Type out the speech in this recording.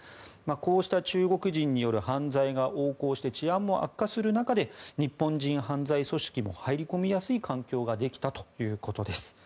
こうした中国人による犯罪が横行して治安も悪化する中で日本人犯罪組織も入り込みやすい環境ができたということです。